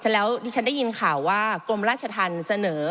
แล้วดิฉันได้ยินข่าวว่ากรมราชธรรมเสนอ